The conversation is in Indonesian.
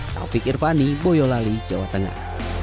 taufik irvani boyolali jawa tengah